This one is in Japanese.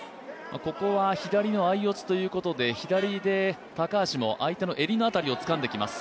ここは左の相四つということで高橋も相手のえりのあたりをつかんできます。